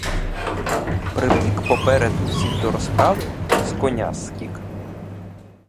Прибіг поперед усіх до розправи, з коня — скік!